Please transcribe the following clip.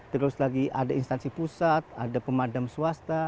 terus lagi ada instansi pusat ada pemadam swasta